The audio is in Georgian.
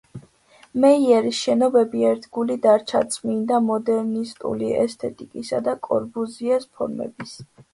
მეიერის შენობები ერთგული დარჩა წმინდა მოდერნისტული ესთეტიკისა და კორბუზიეს ფორმების.